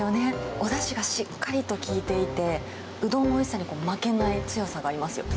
おだしがしっかりと効いていて、うどんのおいしさに負けない強さがありますよ。